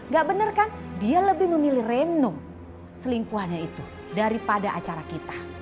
gak bener kan dia lebih memilih renung selingkuhannya itu daripada acara kita